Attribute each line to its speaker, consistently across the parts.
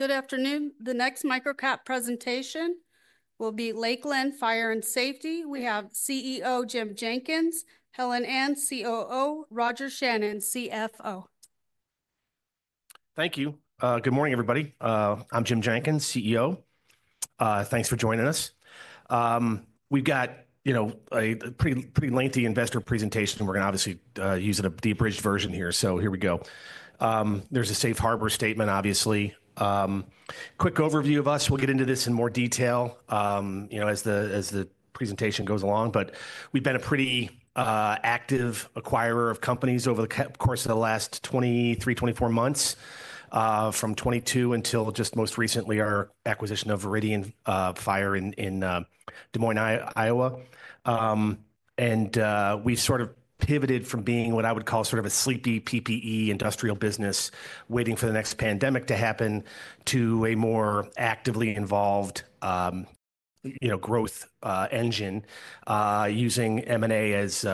Speaker 1: Good afternoon. The next MicroCap Presentation will be Lakeland Fire and Safety. We have CEO Jim Jenkins, Helen An, COO, Roger Shannon, CFO.
Speaker 2: Thank you. Good morning, everybody. I'm Jim Jenkins, CEO. Thanks for joining us. We've got, you know, a pretty lengthy investor presentation. We're going to obviously use a deep ridge version here. Here we go. There's a safe harbor statement, obviously. Quick overview of us. We'll get into this in more detail, you know, as the presentation goes along. We've been a pretty active acquirer of companies over the course of the last 23, 24 months, from 2022 until just most recently, our acquisition of Veridian Fire in Des Moines, Iowa. We've sort of pivoted from being what I would call sort of a sleepy PPE industrial business, waiting for the next pandemic to happen, to a more actively involved, you know, growth engine, using M&A as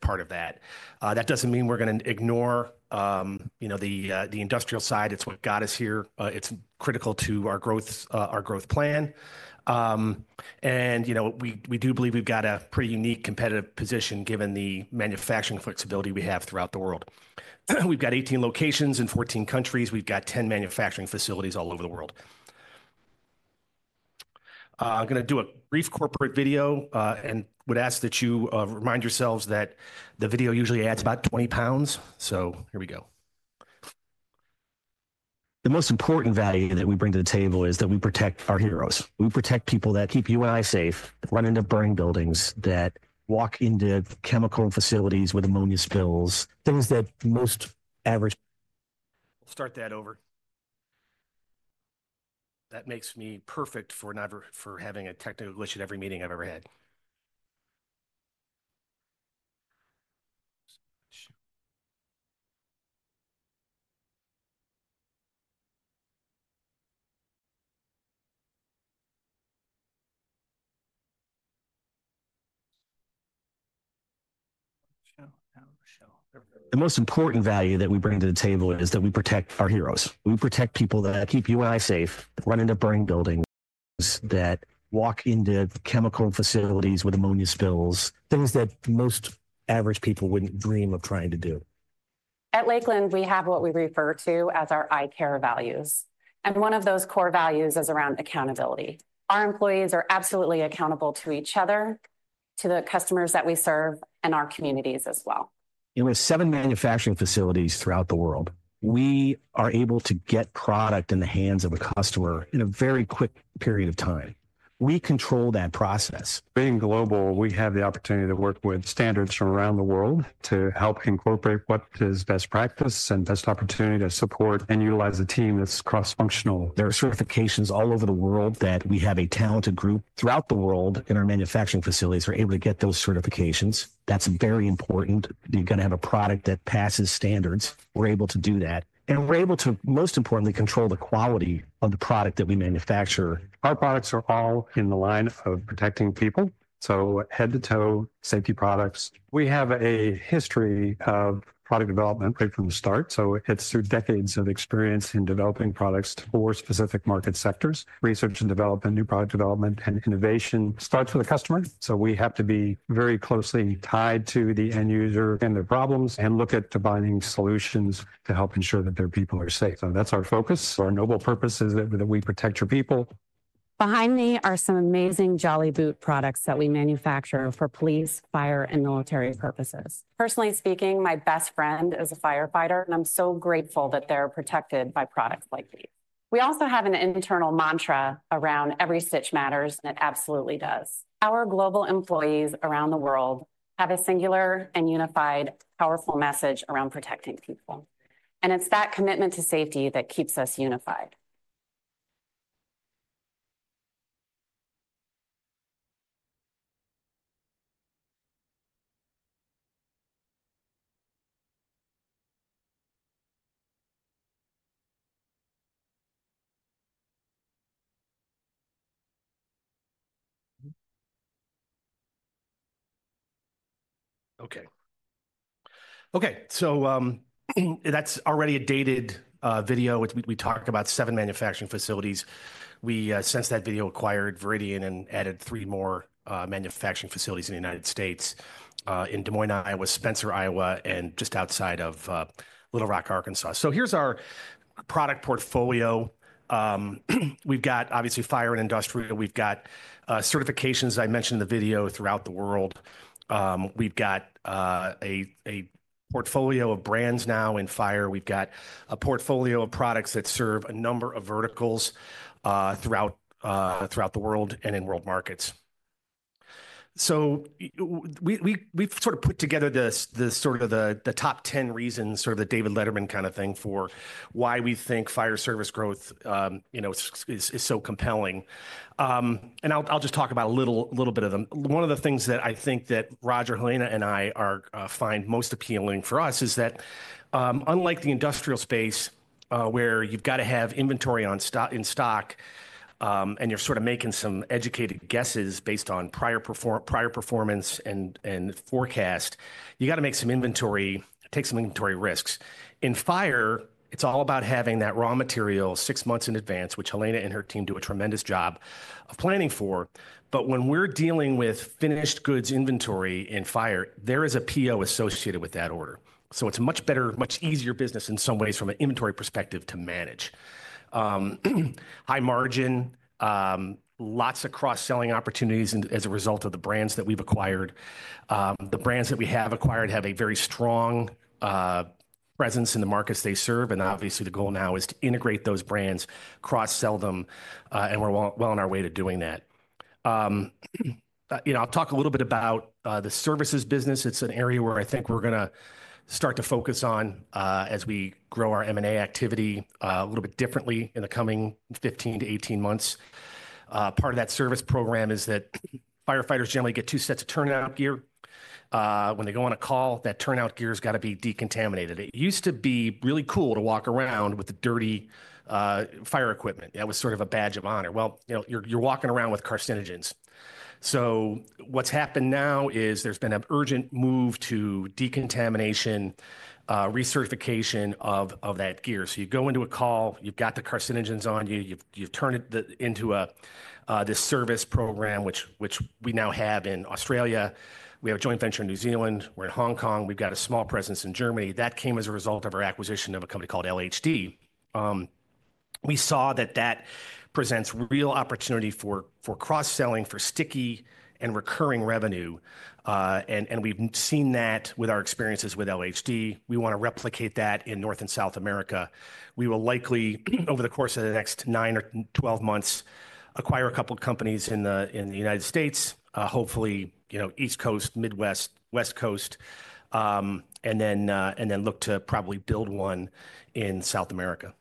Speaker 2: part of that. That doesn't mean we're going to ignore, you know, the industrial side. It's what got us here. It's critical to our growth plan. You know, we do believe we've got a pretty unique competitive position given the manufacturing flexibility we have throughout the world. We've got 18 locations in 14 countries. We've got 10 manufacturing facilities all over the world. I'm going to do a brief corporate video and would ask that you remind yourselves that the video usually adds about 20 lbs. Here we go. The most important value that we bring to the table is that we protect our heroes. We protect people that keep you and I safe, that run into burning buildings, that walk into chemical facilities with ammonia spills, things that most average... We'll start that over. That makes me perfect for having a technical glitch at every meeting I've ever had. The most important value that we bring to the table is that we protect our heroes. We protect people that keep you and I safe, that run into burning buildings, that walk into chemical facilities with ammonia spills, things that most average people would not dream of trying to do. At Lakeland, we have what we refer to as our iCare values. One of those core values is around accountability. Our employees are absolutely accountable to each other, to the customers that we serve, and our communities as well. You know, we have seven manufacturing facilities throughout the world. We are able to get product in the hands of a customer in a very quick period of time. We control that process. Being global, we have the opportunity to work with standards from around the world to help incorporate what is best practice and best opportunity to support and utilize a team that's cross-functional. There are certifications all over the world that we have a talented group throughout the world in our manufacturing facilities who are able to get those certifications. That's very important. You're going to have a product that passes standards. We are able to do that. We are able to, most importantly, control the quality of the product that we manufacture. Our products are all in the line of protecting people. Head-to-toe safety products. We have a history of product development right from the start. It is through decades of experience in developing products for specific market sectors. Research and development, new product development, and innovation starts with a customer. We have to be very closely tied to the end user and their problems and look at finding solutions to help ensure that their people are safe. That is our focus. Our noble purpose is that we protect your people. Behind me are some amazing Jolly Boots products that we manufacture for police, fire, and military purposes. Personally speaking, my best friend is a firefighter, and I'm so grateful that they're protected by products like these. We also have an internal mantra around every stitch matters, and it absolutely does. Our global employees around the world have a singular and unified, powerful message around protecting people. It is that commitment to safety that keeps us unified. Okay. Okay. That's already a dated video. We talked about seven manufacturing facilities. We since that video acquired Veridian and added three more manufacturing facilities in the United States, in Des Moines, Iowa, Spencer, Iowa, and just outside of Little Rock, Arkansas. Here's our product portfolio. We've got, obviously, fire and industrial. We've got certifications, as I mentioned in the video, throughout the world. We've got a portfolio of brands now in fire. We've got a portfolio of products that serve a number of verticals throughout the world and in world markets. We've sort of put together the sort of the top 10 reasons, sort of the David Letterman kind of thing, for why we think fire service growth, you know, is so compelling. I'll just talk about a little bit of them. One of the things that I think that Roger, Helena, and I find most appealing for us is that unlike the industrial space, where you've got to have inventory in stock and you're sort of making some educated guesses based on prior performance and forecast, you got to make some inventory, take some inventory risks. In fire, it's all about having that raw material six months in advance, which Helena and her team do a tremendous job of planning for. When we're dealing with finished goods inventory in fire, there is a PO associated with that order. It is a much better, much easier business in some ways from an inventory perspective to manage. High margin, lots of cross-selling opportunities as a result of the brands that we've acquired. The brands that we have acquired have a very strong presence in the markets they serve. Obviously, the goal now is to integrate those brands, cross-sell them, and we're well on our way to doing that. You know, I'll talk a little bit about the services business. It's an area where I think we're going to start to focus on as we grow our M&A activity a little bit differently in the coming 15-18 months. Part of that service program is that firefighters generally get two sets of turnout gear. When they go on a call, that turnout gear has got to be decontaminated. It used to be really cool to walk around with the dirty fire equipment. That was sort of a badge of honor. You know, you're walking around with carcinogens. What's happened now is there's been an urgent move to decontamination, recertification of that gear. You go into a call, you've got the carcinogens on you, you've turned it into this service program, which we now have in Australia. We have a joint venture in New Zealand. We're in Hong Kong. We've got a small presence in Germany. That came as a result of our acquisition of a company called LHD. We saw that that presents real opportunity for cross-selling, for sticky and recurring revenue. We've seen that with our experiences with LHD. We want to replicate that in North and South America. We will likely, over the course of the next nine or 12 months, acquire a couple of companies in the United States, hopefully, you know, East Coast, Midwest, West Coast, and then look to probably build one in South America.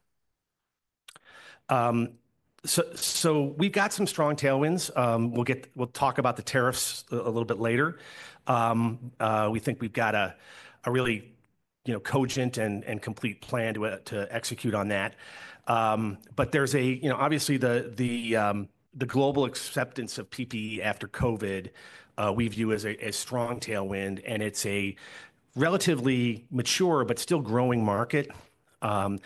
Speaker 2: We've got some strong tailwinds. We'll talk about the tariffs a little bit later. We think we've got a really, you know, cogent and complete plan to execute on that. There's a, you know, obviously the global acceptance of PPE after COVID, we view as a strong tailwind, and it's a relatively mature but still growing market. Some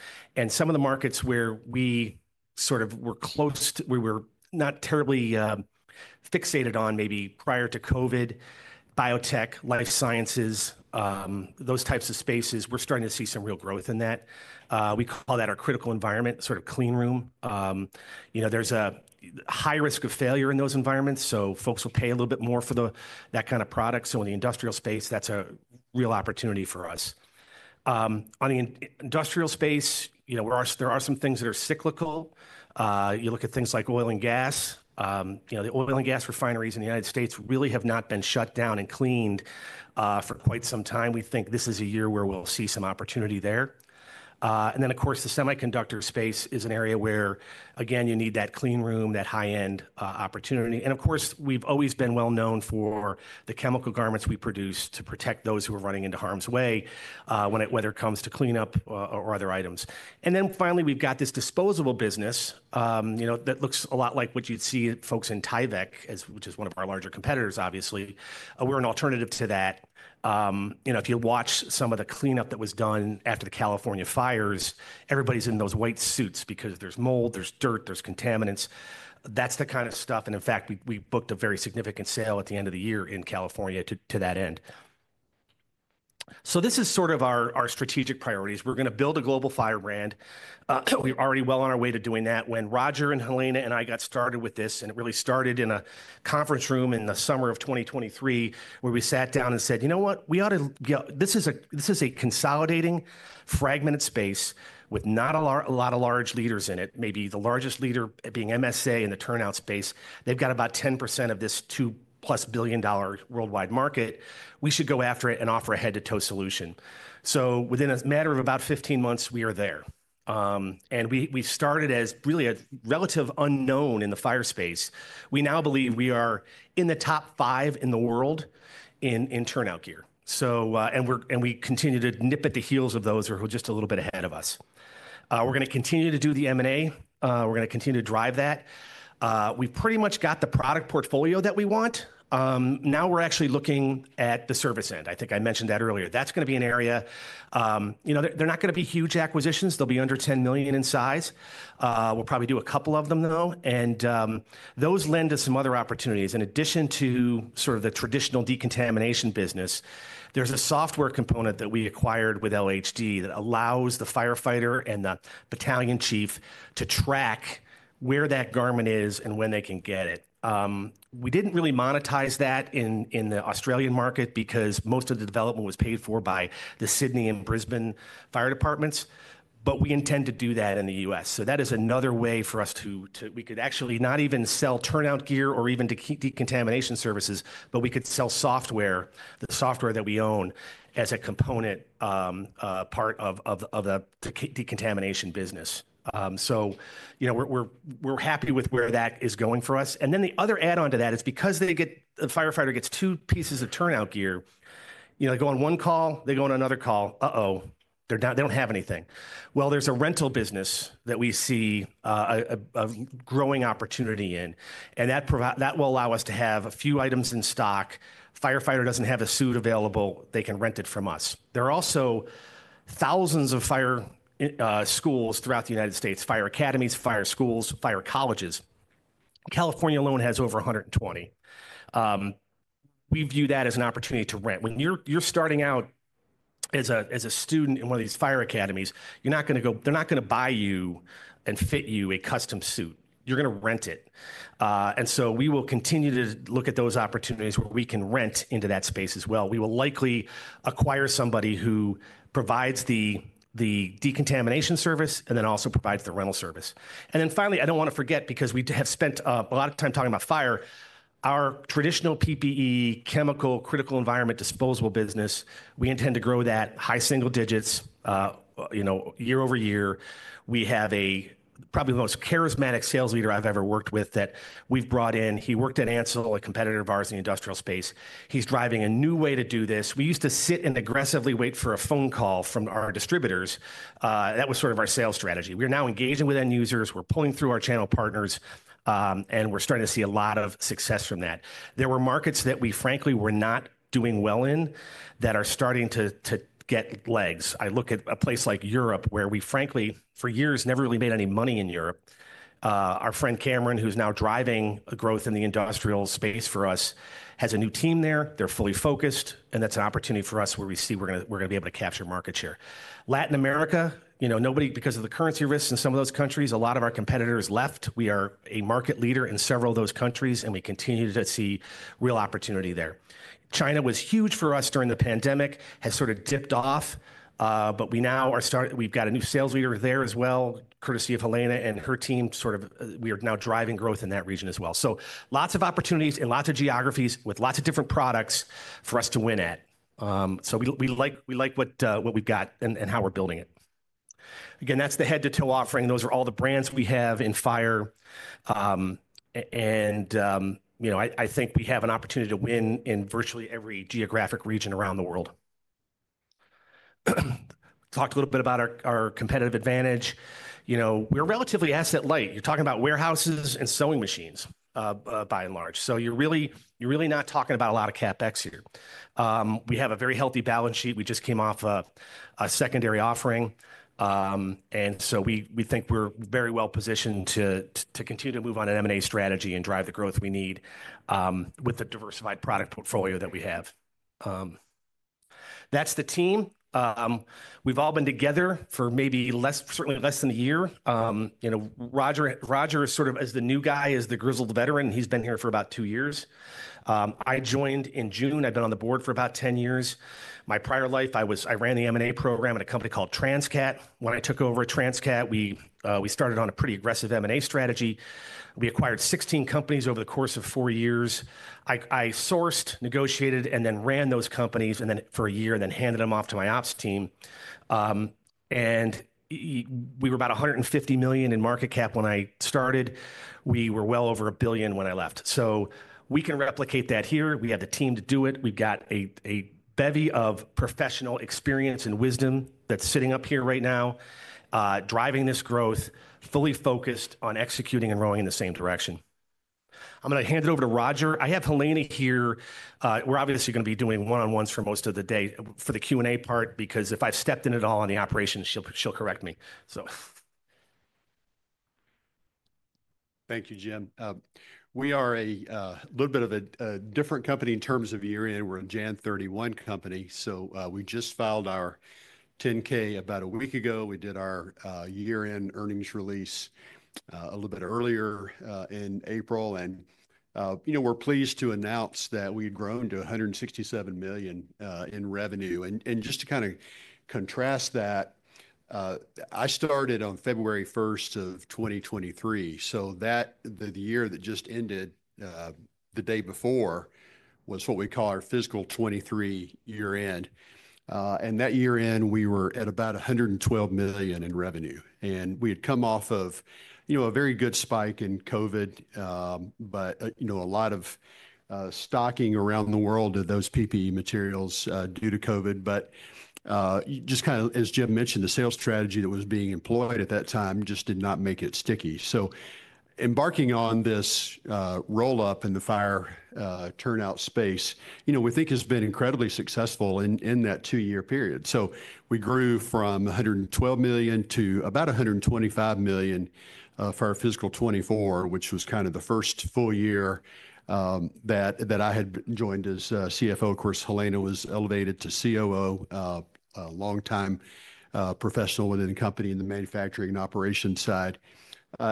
Speaker 2: of the markets where we sort of were close, we were not terribly fixated on maybe prior to COVID, biotech, life sciences, those types of spaces, we're starting to see some real growth in that. We call that our critical environment, sort of clean room. You know, there's a high risk of failure in those environments, so folks will pay a little bit more for that kind of product. In the industrial space, that's a real opportunity for us. On the industrial space, you know, there are some things that are cyclical. You look at things like oil and gas. You know, the oil and gas refineries in the United States really have not been shut down and cleaned for quite some time. We think this is a year where we'll see some opportunity there. Of course, the semiconductor space is an area where, again, you need that clean room, that high-end opportunity. Of course, we've always been well known for the chemical garments we produce to protect those who are running into harm's way when it comes to cleanup or other items. Finally, we've got this disposable business, you know, that looks a lot like what you'd see at folks in Tyvek, which is one of our larger competitors, obviously. We're an alternative to that. You know, if you watch some of the cleanup that was done after the California fires, everybody's in those white suits because there's mold, there's dirt, there's contaminants. That's the kind of stuff. In fact, we booked a very significant sale at the end of the year in California to that end. This is sort of our strategic priorities. We're going to build a global firebrand. We're already well on our way to doing that. When Roger and Helena and I got started with this, it really started in a conference room in the summer of 2023, where we sat down and said, you know what, we ought to get, this is a consolidating fragmented space with not a lot of large leaders in it, maybe the largest leader being MSA Safety in the turnout space. They've got about 10% of this $2 billion-plus worldwide market. We should go after it and offer a head-to-toe solution. Within a matter of about 15 months, we are there. We started as really a relative unknown in the fire space. We now believe we are in the top five in the world in turnout gear. We continue to nip at the heels of those who are just a little bit ahead of us. We are going to continue to do the M&A. We are going to continue to drive that. We have pretty much got the product portfolio that we want. Now we are actually looking at the service end. I think I mentioned that earlier. That is going to be an area, you know, they are not going to be huge acquisitions. They will be under $10 million in size. We will probably do a couple of them, though. Those lend to some other opportunities. In addition to sort of the traditional decontamination business, there's a software component that we acquired with LHD that allows the firefighter and the battalion chief to track where that garment is and when they can get it. We didn't really monetize that in the Australian market because most of the development was paid for by the Sydney and Brisbane fire departments. We intend to do that in the U.S.. That is another way for us to, we could actually not even sell turnout gear or even decontamination services, but we could sell software, the software that we own as a component part of the decontamination business. You know, we're happy with where that is going for us. The other add-on to that is because the firefighter gets two pieces of turnout gear, you know, they go on one call, they go on another call, uh-oh, they don't have anything. There is a rental business that we see a growing opportunity in. That will allow us to have a few items in stock. Firefighter does not have a suit available. They can rent it from us. There are also thousands of fire schools throughout the United States, fire academies, fire schools, fire colleges. California alone has over 120. We view that as an opportunity to rent. When you are starting out as a student in one of these fire academies, you are not going to go, they are not going to buy you and fit you a custom suit. You are going to rent it. We will continue to look at those opportunities where we can rent into that space as well. We will likely acquire somebody who provides the decontamination service and then also provides the rental service. Finally, I do not want to forget because we have spent a lot of time talking about fire, our traditional PPE, chemical, critical environment, disposable business, we intend to grow that high single digits, you know, year-over-year. We have probably the most charismatic sales leader I have ever worked with that we have brought in. He worked at Ansell, a competitor of ours in the industrial space. He is driving a new way to do this. We used to sit and aggressively wait for a phone call from our distributors. That was sort of our sales strategy. We are now engaging with end users. We are pulling through our channel partners. We're starting to see a lot of success from that. There were markets that we, frankly, were not doing well in that are starting to get legs. I look at a place like Europe where we, frankly, for years never really made any money in Europe. Our friend Cameron, who's now driving growth in the industrial space for us, has a new team there. They're fully focused. That's an opportunity for us where we see we're going to be able to capture market share. Latin America, you know, nobody because of the currency risks in some of those countries, a lot of our competitors left. We are a market leader in several of those countries, and we continue to see real opportunity there. China was huge for us during the pandemic, has sort of dipped off. We now are starting, we've got a new sales leader there as well, courtesy of Helena and her team, sort of we are now driving growth in that region as well. Lots of opportunities in lots of geographies with lots of different products for us to win at. We like what we've got and how we're building it. Again, that's the head-to-toe offering. Those are all the brands we have in fire. You know, I think we have an opportunity to win in virtually every geographic region around the world. Talked a little bit about our competitive advantage. You know, we're relatively asset light. You're talking about warehouses and sewing machines by and large. You're really not talking about a lot of CapEx here. We have a very healthy balance sheet. We just came off a secondary offering. We think we're very well positioned to continue to move on an M&A strategy and drive the growth we need with the diversified product portfolio that we have. That's the team. We've all been together for maybe less, certainly less than a year. You know, Roger is sort of as the new guy is the grizzled veteran. He's been here for about two years. I joined in June. I've been on the board for about 10 years. My prior life, I ran the M&A program at a company called Transcat. When I took over Transcat, we started on a pretty aggressive M&A strategy. We acquired 16 companies over the course of four years. I sourced, negotiated, and then ran those companies for a year and then handed them off to my ops team. We were about $150 million in market cap when I started. We were well over a billion when I left. We can replicate that here. We have the team to do it. We've got a bevy of professional experience and wisdom that's sitting up here right now, driving this growth, fully focused on executing and rowing in the same direction. I'm going to hand it over to Roger. I have Helena here. We're obviously going to be doing one-on-ones for most of the day for the Q&A part because if I've stepped in at all on the operations, she'll correct me.
Speaker 3: Thank you, Jim. We are a little bit of a different company in terms of year-end. We're a January 31 company. We just filed our 10-K about a week ago. We did our year-end earnings release a little bit earlier in April. You know, we're pleased to announce that we've grown to $167 million in revenue. Just to kind of contrast that, I started on February 1 of 2023. The year that just ended, the day before was what we call our fiscal 2023 year-end. That year-end, we were at about $112 million in revenue. We had come off of, you know, a very good spike in COVID, but, you know, a lot of stocking around the world of those PPE materials due to COVID. Just kind of, as Jim mentioned, the sales strategy that was being employed at that time just did not make it sticky. Embarking on this roll-up in the fire turnout space, you know, we think has been incredibly successful in that two-year period. We grew from $112 million to about $125 million for our fiscal 2024, which was kind of the first full year that I had joined as CFO. Of course, Helena was elevated to COO, a long-time professional within the company in the manufacturing and operations side.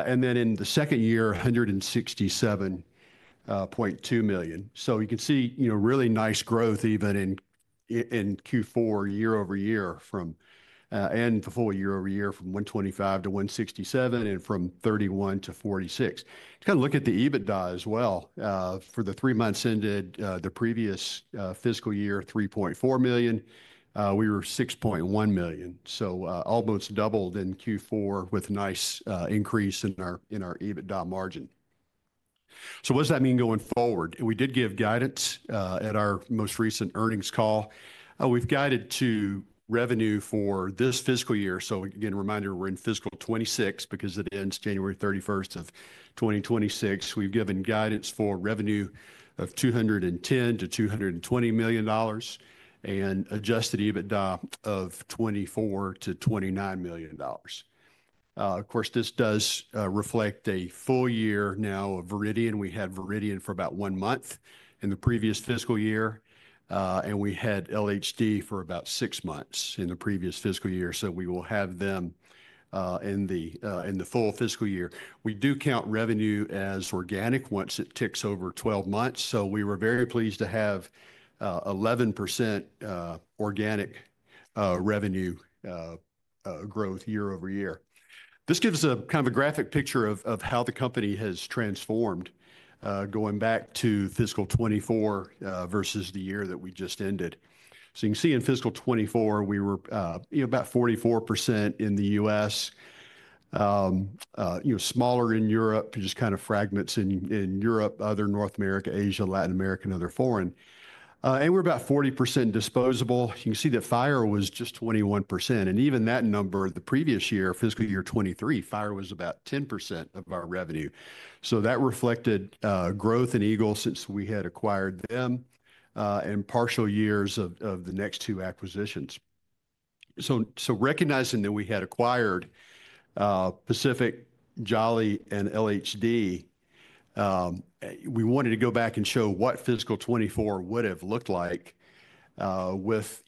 Speaker 3: In the second year, $167.2 million. You can see, you know, really nice growth even in Q4 year-over-year from, and the full year-over-year from $125 million to $167 million and from $31 million to $46 million. Kind of look at the EBITDA as well. For the three months ended the previous fiscal year, $3.4 million, we were $6.1 million. Almost doubled in Q4 with a nice increase in our EBITDA margin. What does that mean going forward? We did give guidance at our most recent earnings call. We've guided to revenue for this fiscal year. Again, reminder, we're in fiscal 2026 because it ends January 31, 2026. We've given guidance for revenue of $210-$220 million and adjusted EBITDA of $24-$29 million. Of course, this does reflect a full year now of Veridian. We had Veridian for about one month in the previous fiscal year. We had LHD for about six months in the previous fiscal year. We will have them in the full fiscal year. We do count revenue as organic once it ticks over 12 months. We were very pleased to have 11% organic revenue growth year-over-year. This gives us a kind of a graphic picture of how the company has transformed going back to fiscal 2024 versus the year that we just ended. You can see in fiscal 2024, we were about 44% in the U.S., you know, smaller in Europe, just kind of fragments in Europe, other North America, Asia, Latin America, and other foreign. And we're about 40% disposable. You can see that fire was just 21%. And even that number, the previous year, fiscal year 2023, fire was about 10% of our revenue. That reflected growth in Eagle since we had acquired them and partial years of the next two acquisitions. Recognizing that we had acquired Pacific, Jolly, and LHD, we wanted to go back and show what fiscal 2024 would have looked like with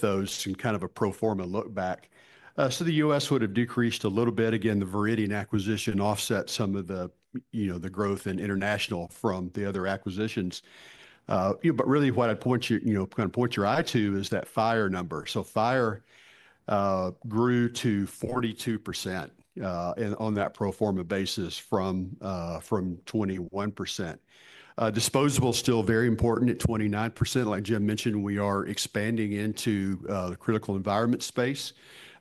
Speaker 3: those and kind of a pro forma look back. The U.S. would have decreased a little bit. Again, the Veridian acquisition offset some of the growth and international from the other acquisitions. You know, but really what I'd point you, you know, kind of point your eye to is that fire number. So fire grew to 42% on that pro forma basis from 21%. Disposable still very important at 29%. Like Jim mentioned, we are expanding into the critical environment space.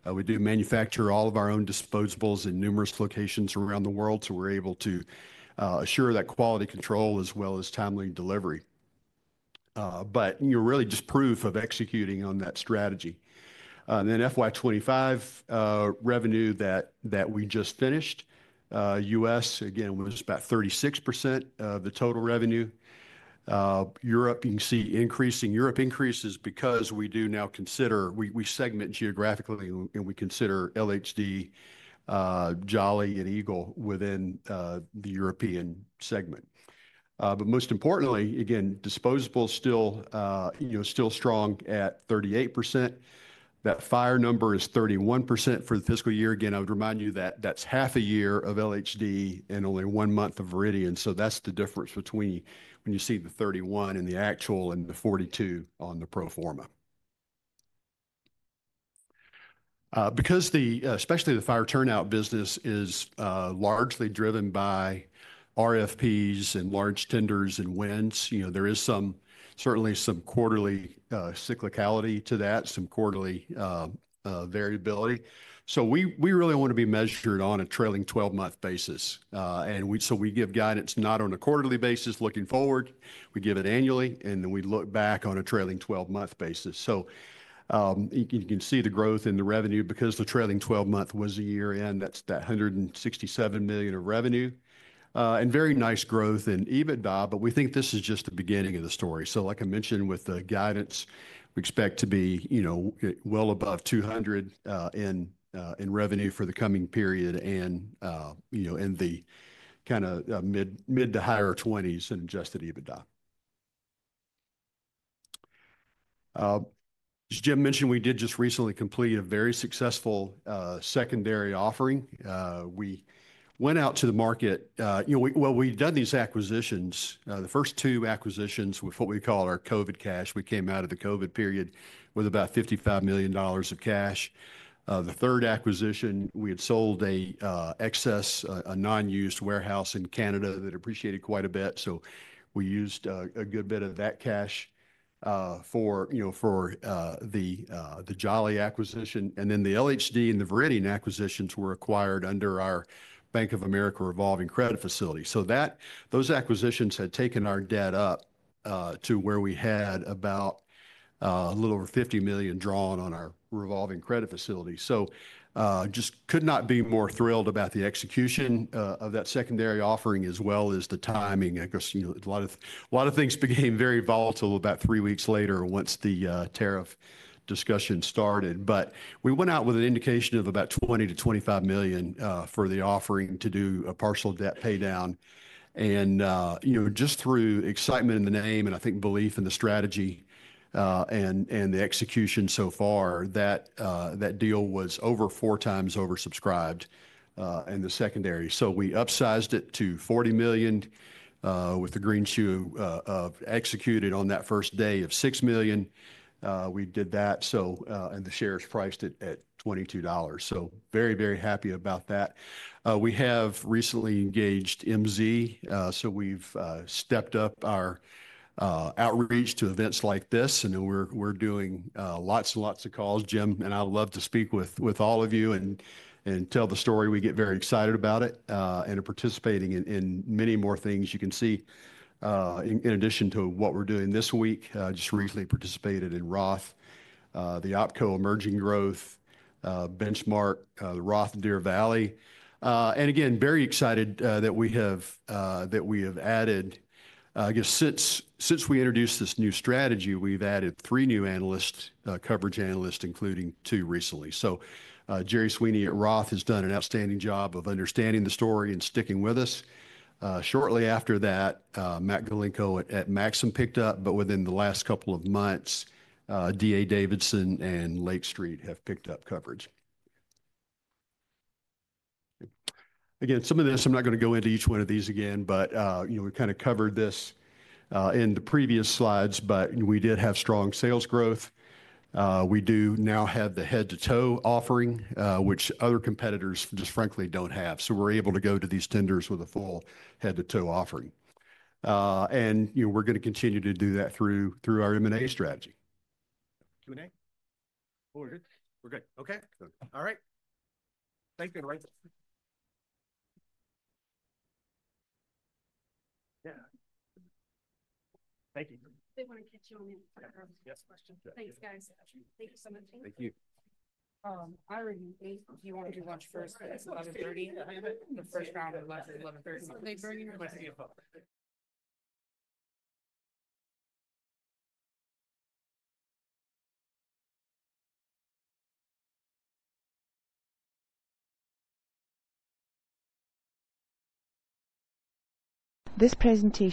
Speaker 3: We do manufacture all of our own disposables in numerous locations around the world. So we're able to assure that quality control as well as timely delivery. But you're really just proof of executing on that strategy. Then FY 2025 revenue that we just finished, U.S., again, was about 36% of the total revenue. Europe, you can see increasing. Europe increases because we do now consider, we segment geographically and we consider LHD, Jolly, and Eagle within the European segment. But most importantly, again, disposable still, you know, still strong at 38%. That fire number is 31% for the fiscal year. Again, I would remind you that that's half a year of LHD and only one month of Veridian. That's the difference between when you see the 31 and the actual and the 42 on the pro forma. Because the, especially the fire turnout business is largely driven by RFPs and large tenders and wins, you know, there is certainly some quarterly cyclicality to that, some quarterly variability. We really want to be measured on a trailing 12-month basis. We give guidance not on a quarterly basis looking forward. We give it annually, and then we look back on a trailing 12-month basis. You can see the growth in the revenue because the trailing 12-month was a year-end. That's that $167 million of revenue. Very nice growth in EBITDA, but we think this is just the beginning of the story. Like I mentioned with the guidance, we expect to be, you know, well above $200 million in revenue for the coming period and, you know, in the kind of mid to higher 20s in adjusted EBITDA. As Jim mentioned, we did just recently complete a very successful secondary offering. We went out to the market, you know, we've done these acquisitions. The first two acquisitions with what we call our COVID cash, we came out of the COVID period with about $55 million of cash. The third acquisition, we had sold an excess, a non-used warehouse in Canada that appreciated quite a bit. We used a good bit of that cash for, you know, for the Jolly acquisition. The LHD and the Veridian acquisitions were acquired under our Bank of America revolving credit facility. Those acquisitions had taken our debt up to where we had about a little over $50 million drawn on our revolving credit facility. I just could not be more thrilled about the execution of that secondary offering as well as the timing. I guess, you know, a lot of things became very volatile about three weeks later once the tariff discussion started. We went out with an indication of about $20-$25 million for the offering to do a partial debt paydown. You know, just through excitement in the name and I think belief in the strategy and the execution so far, that deal was over four times oversubscribed in the secondary. We upsized it to $40 million with the green shoe of executed on that first day of $6 million. We did that. The shares priced at $22. Very, very happy about that. We have recently engaged MZ. We have stepped up our outreach to events like this. We are doing lots and lots of calls, Jim. I'd love to speak with all of you and tell the story. We get very excited about it and participating in many more things you can see in addition to what we are doing this week. Just recently participated in Roth, the Opco Emerging Growth Benchmark, the Roth Deer Valley. Very excited that we have added, I guess, since we introduced this new strategy, we have added three new analysts, coverage analysts, including two recently. Jerry Sweeney at Roth has done an outstanding job of understanding the story and sticking with us. Shortly after that, Matt Golinko at Maxim picked up, but within the last couple of months, D.A. Davidson and Lake Street have picked up coverage. Again, some of this, I'm not going to go into each one of these again, but you know, we kind of covered this in the previous slides, but we did have strong sales growth. We do now have the head-to-toe offering, which other competitors just frankly don't have. So we're able to go to these tenders with a full head-to-toe offering. You know, we're going to continue to do that through our M&A strategy.
Speaker 2: Q&A? We're good. We're good. Okay. All right. Thank you, everybody. Yeah. Thank you. They want to catch you on the next question. Thanks, guys. Thank you so much. Thank you. Irene, do you want to do lunch first at 11:30? The first round of lunch at 11:30. This presentation.